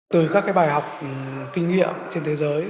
từ các bài học kinh nghiệm trên thế giới